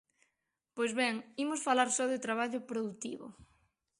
Pois ben, imos falar só de traballo produtivo.